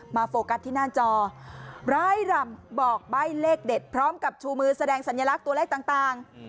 โฟกัสที่หน้าจอร้ายรำบอกใบ้เลขเด็ดพร้อมกับชูมือแสดงสัญลักษณ์ตัวเลขต่าง